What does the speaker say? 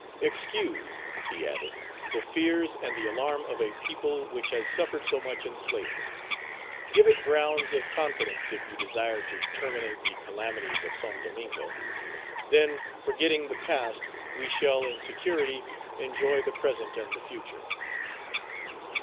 Excuse," he added, "the fears and the alarm of a people which has suffered so much in slavery. Give it grounds of confidence if you desire to terminate the calamities of Saint Domingo; then, forgetting the past, we shall in security enjoy the present and the future."